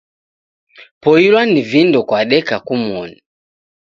Poilwa ni vindo kwadeka kumoni.